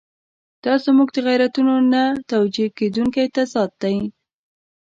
دا زموږ د غیرتونو نه توجیه کېدونکی تضاد دی.